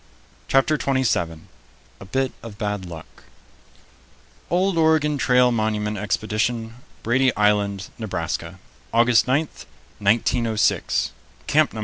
] CHAPTER TWENTY SEVEN A BIT OF BAD LUCK "OLD Oregon Trail Monument Expedition, Brady Island, Nebraska, August 9, 1906, Camp No.